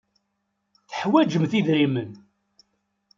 Teḥwajemt idrimen.